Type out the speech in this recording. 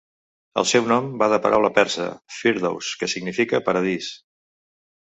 El seu nom ve de la paraula persa "firdows", que significa "paradís".